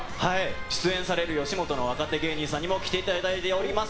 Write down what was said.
出演される吉本の若手芸人さんにも来ていただいております。